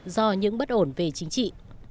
do những bất ổn về chính trị